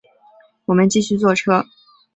我们继续坐车